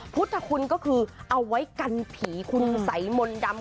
พุทธคุณก็คือเอาไว้กันผีคุณสัยมนต์ดำ